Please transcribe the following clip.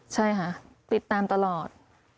ใช่ค่ะติดตามตลอด